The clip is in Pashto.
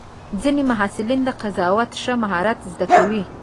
ځینې محصلین د قضاوت ښه مهارت زده کوي.